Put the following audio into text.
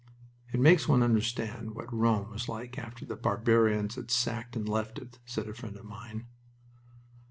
"It makes one understand what Rome was like after the barbarians had sacked and left it," said a friend of mine.